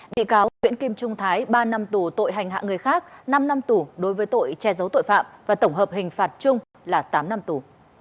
bị cáo nguyễn kim trung thái ba năm tù tội hành hạ người khác năm năm tù đối với tội che giấu tội phạm và tổng hợp hình phạt chung là tám năm tù